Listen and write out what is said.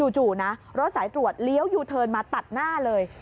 จู่นะรถสายตรวจเลี้ยวยูเทิร์นมาตัดหน้าเลย